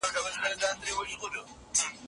افغان سرتېري د ښي مورچل په مشرۍ ودرېدل.